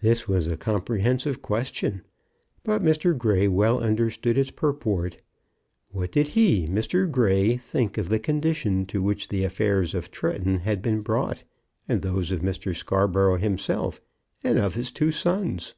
This was a comprehensive question, but Mr. Grey well understood its purport. What did he, Mr. Grey, think of the condition to which the affairs of Tretton had been brought, and those of Mr. Scarborough himself and of his two sons?